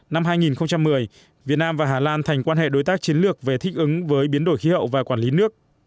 năm hai nghìn một mươi việt nam và hà lan thành quan hệ đối tác chiến lược về thích ứng với biến đổi khí hậu và quản lý nước